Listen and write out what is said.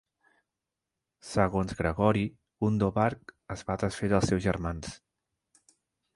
Segons Gregori, Gundobad es va desfer dels seus germans.